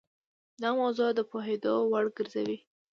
دا موضوع د پوهېدو وړ ګرځوي.